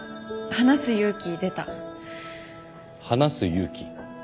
話す勇気？